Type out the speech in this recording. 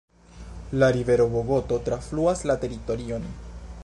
La rivero Bogoto trafluas la teritorion.